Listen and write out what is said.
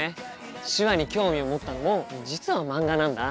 手話に興味を持ったのも実は漫画なんだ。